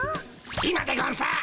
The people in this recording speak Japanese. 今でゴンス。